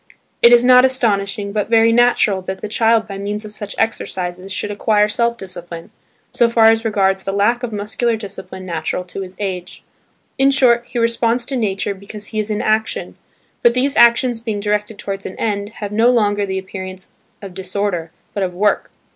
It is not astonishing but very natural that the child by means of such exercises should acquire self discipline, so far as regards the lack of muscular discipline natural to his age. In short, he responds to nature because he is in action; but these actions being directed towards an end, have no longer the appearance of disorder but of work.